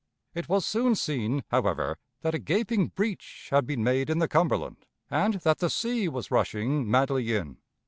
It was soon seen, however, that a gaping breach had been made in the Cumberland, and that the sea was rushing madly in.